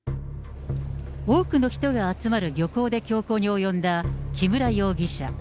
多くの人が集まる漁港で凶行に及んだ木村容疑者。